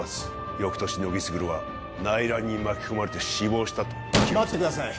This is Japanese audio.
翌年乃木卓は内乱に巻き込まれて死亡したと記録され待ってください